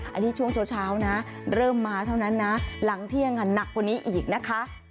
อันนี้ช่วงเช้านะเริ่มมาเท่านั้นนะหลังเที่ยงหนักกว่านี้อีกนะคะ